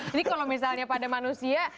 jadi kalau misalnya pada manusia